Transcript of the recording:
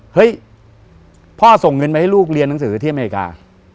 เฮ้ยพ่อส่งเงินไปให้ลูกเรียนหนังสือที่อเมริกา